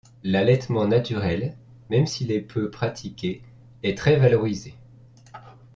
L'allaitement naturel, même s'il est peu pratiqué, est très valorisé.